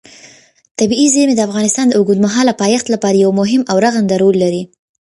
طبیعي زیرمې د افغانستان د اوږدمهاله پایښت لپاره یو مهم او رغنده رول لري.